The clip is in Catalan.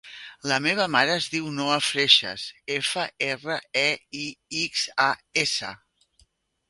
La meva mare es diu Noa Freixas: efa, erra, e, i, ics, a, essa.